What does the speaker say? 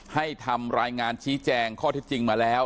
ให้ทำรายงานชี้แจงข้อที่จริงมาแล้ว